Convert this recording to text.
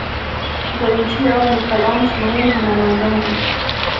داوینچي او میکل آنژ مهم هنرمندان دي.